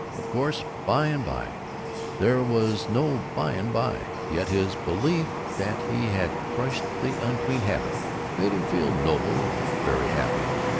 Of course by and by " There was no by and by, yet his belief that he had crushed the unclean habit made him feel noble and very happy.